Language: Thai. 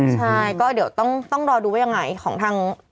ใช่ก็เดี๋ยวต้องรอดูว่ายังไงของทาง